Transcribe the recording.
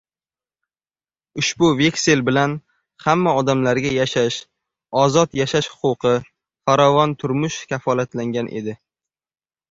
Ushbu veksel bilan hamma odamlarga yashash, ozod yashash huquqi, farovon turmush kafolatlangan edi.